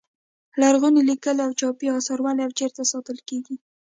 لرغوني لیکلي او چاپي اثار ولې او چیرې ساتل کیږي.